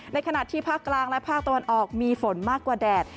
ในขณะที่ภาคกลางและภาคตะวันออกมีฝนมากกว่าแดด